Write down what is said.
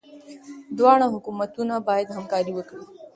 دواړه حکومتونه باید همکاري وکړي.